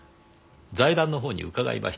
財団の方に伺いました。